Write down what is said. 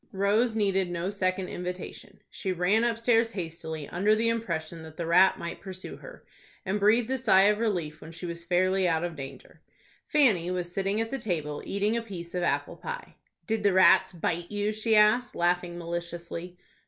Rose needed no second invitation. She ran upstairs hastily, under the impression that the rat might pursue her, and breathed a sigh of relief when she was fairly out of danger. Fanny was sitting at the table, eating a piece of apple pie. "Did the rats bite you?" she asked, laughing maliciously.